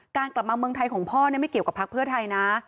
กลับมาเมืองไทยของพ่อไม่เกี่ยวกับพักเพื่อไทยนะ